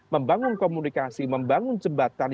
membangun komunikasi membangun jembatan